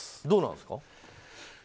どうなんですか？